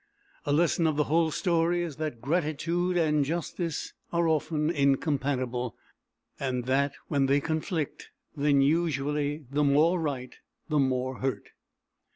A lesson of the whole story is that gratitude and justice are often incompatible; and that when they conflict, then, usually, "the more right the more hurt."